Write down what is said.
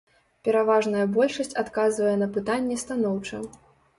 Пераважная большасць адказвае на пытанне станоўча.